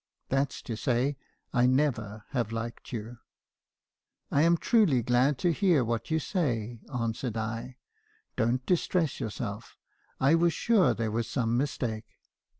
That 's to say , I never have liked you.' " 'I am truly glad to hear what you say,' answered I. 'Don't distress yourself. I was sure there was some mistake.'